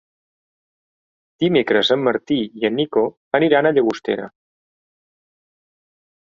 Dimecres en Martí i en Nico aniran a Llagostera.